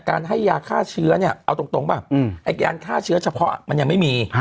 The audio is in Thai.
ให้ยาฆ่าเชื้อเนี่ยเอาตรงป่ะไอ้การฆ่าเชื้อเฉพาะมันยังไม่มี